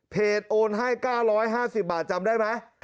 โอนให้๙๕๐บาทจำได้ไหม